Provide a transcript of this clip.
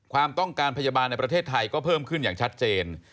ความต้องการพยาบาลในประเทศไทยก็เพิ่มขึ้นอย่างชัดเจน